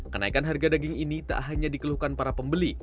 kenaikan harga daging ini tak hanya dikeluhkan para pembeli